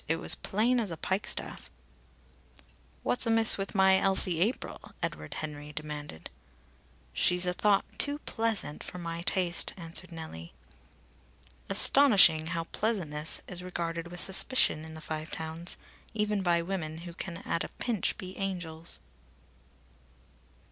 It was as plain as a pikestaff." "What's amiss with my Elsie April?" Edward Henry demanded. "She's a thought too pleasant for my taste," answered Nellie. Astonishing, how pleasantness is regarded with suspicion in the Five Towns, even by women who can at a pinch be angels!